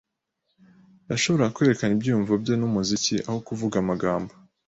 Yashoboraga kwerekana ibyiyumvo bye numuziki aho kuvuga amagambo.